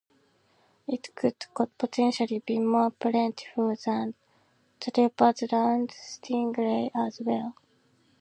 It could potentially be more plentiful than the leopard round stingray as well.